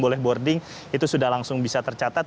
boleh boarding itu sudah langsung bisa tercatat